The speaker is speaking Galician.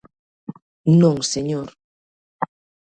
Non señor.